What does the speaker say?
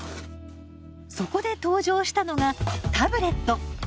そこで登場したのがタブレット。